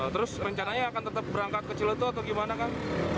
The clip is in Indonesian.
terus rencananya akan tetap berangkat ke ciletua atau gimana kan